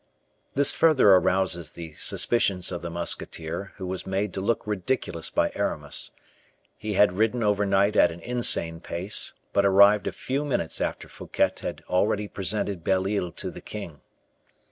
This further arouses the suspicions of the musketeer, who was made to look ridiculous by Aramis. He had ridden overnight at an insane pace, but arrived a few minutes after Fouquet had already presented Belle Isle to the king.